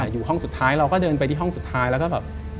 อยู่ห้องสุดท้ายเราก็เดินไปที่ห้องสุดท้ายแล้วก็แบบ